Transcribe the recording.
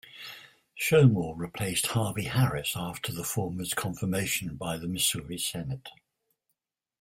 Schoemehl replaced Harvey Harris after the former's confirmation by the Missouri Senate.